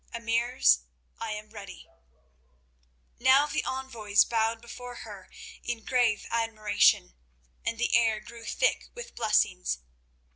Emirs, I am ready." Now the envoys bowed before her in grave admiration, and the air grew thick with blessings.